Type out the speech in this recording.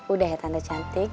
udah ya tante cantik